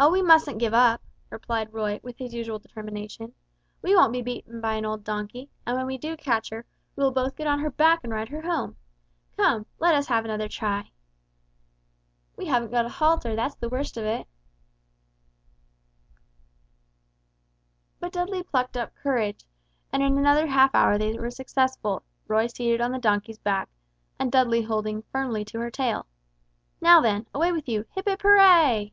"Oh, we mustn't give up," Roy replied, with his usual determination; "we won't be beaten by an old donkey, and when we do catch her, we will both get on her back and ride her home. Come on, let us have another try!" "We haven't got a halter, that's the worst of it." [Illustration: "'Now then, you rascals, what are you doing to my donkey?'"] But Dudley plucked up courage, and in another half hour they were successful; Roy seated on the donkey's back, and Dudley holding firmly to her tail. "Now then away with you hip hip hurray!"